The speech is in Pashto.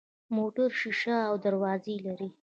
موټر شیشه او دروازې لري.